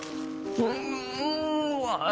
うんまい！